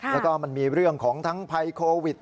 แล้วก็มันมีเรื่องของทั้งภัยโควิด